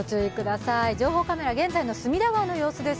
情報カメラ、現在の隅田川の様子です。